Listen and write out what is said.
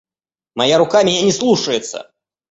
Моя рука меня не слушается!